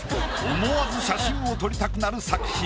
思わず写真を撮りたくなる作品